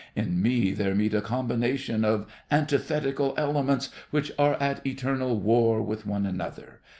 In me there meet a combination of antithetical elements which are at eternal war with one another.